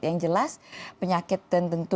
yang jelas penyakit itu